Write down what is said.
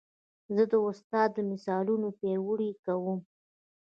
زه د استاد د مثالونو پیروي کوم.